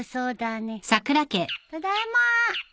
ただいま。